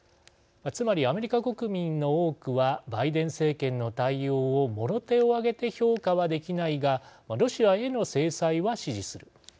つまりアメリカ国民の多くはバイデン政権の対応をもろ手を挙げて評価はできないがロシアへの制裁は支持する。